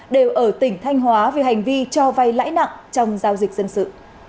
đều ở tỉnh thanh hóa về hành vi cho vay lãi nặng trong giao dịch dân sự